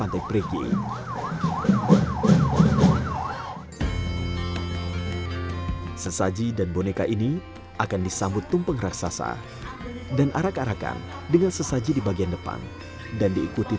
empat tahun sewelan mereka berjalan melintas animasi